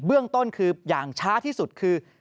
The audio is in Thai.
เรื่องต้นคืออย่างช้าที่สุดคือ